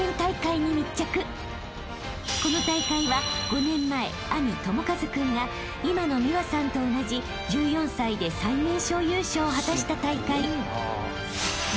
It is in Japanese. ［この大会は５年前兄智和君が今の美和さんと同じ１４歳で最年少優勝を果たした大会］